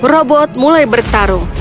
robot mulai bertarung